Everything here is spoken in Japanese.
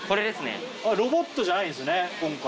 ロボットじゃないんですね今回。